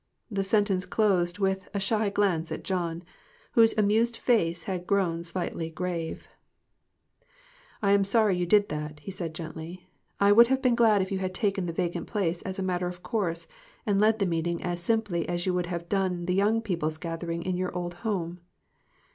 The sentence closed with a shy glance at John, whose amused face had grown slightly grave. MIXED THINGS. 2$ "I am sorry you did that," he said, gently; "I would have been glad if you had taken the vacant place as a matter of course, and led the meeting as simply as you would have done the young peo ple's gathering in your old home."